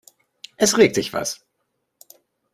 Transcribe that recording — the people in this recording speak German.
Es regt sich was.